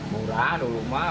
murah belum mah